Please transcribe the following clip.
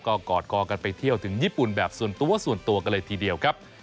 ก็กอดกอกันไปเที่ยวถึงญี่ปุ่นแบบส่วนตัวส่วนตัวกันเลยทีเดียวครับ